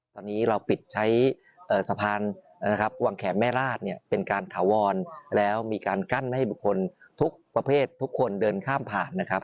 ตอนนี้เราปิดใช้สะพานนะครับวังแขนแม่ราชเนี่ยเป็นการถาวรแล้วมีการกั้นให้บุคคลทุกประเภททุกคนเดินข้ามผ่านนะครับ